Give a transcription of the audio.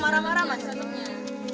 siapa yang marah marah